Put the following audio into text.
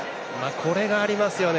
これがありますよね